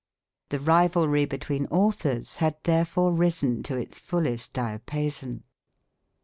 The rivalry between authors had therefore risen to its fullest diapason.